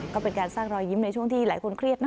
ก็เป็นการสร้างรอยยิ้มในช่วงที่หลายคนเครียดนะ